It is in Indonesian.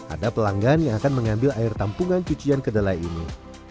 ada pelanggan yang akan mengambil air tampungan cucian kedelai ini